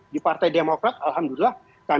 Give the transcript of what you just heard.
di partai demokrasi alhamdulillah kami sudah berjalan